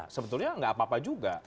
sebetulnya nggak apa apa juga